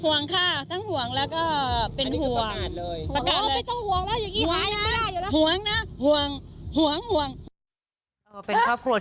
ค่ะทั้งห่วงแล้วก็เป็นห่วง